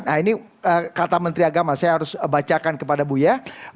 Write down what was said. nah ini kata menteri agama saya harus bacakan kepada buya